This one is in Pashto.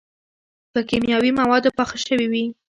پۀ کيماوي موادو پاخۀ شوي وي